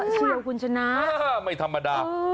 เชียวคุณชนะไม่ธรรมดา